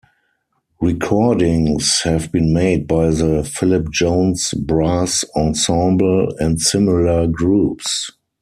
Recordings have been made by the Philip Jones Brass Ensemble and similar groups.